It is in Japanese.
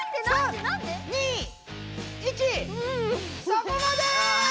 そこまで！